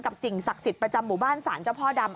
สิ่งศักดิ์สิทธิ์ประจำหมู่บ้านสารเจ้าพ่อดำ